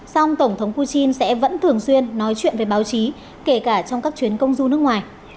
song tổng thống putin sẽ vẫn thường xuyên nói chuyện với báo chí kể cả trong các chuyến công du nước ngoài